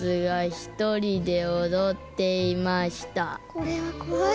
これは怖い。